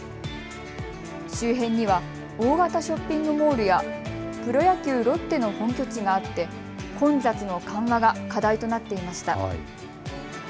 周辺には大型ショッピングモールやプロ野球ロッテの本拠地があって混雑の緩和が課題となっていました。